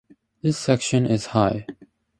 This section is high.